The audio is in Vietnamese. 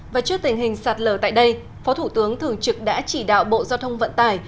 và trước tình hình sạt lở tại đây phó thủ tướng thường trực đã chỉ đạo bộ giao thông vận tải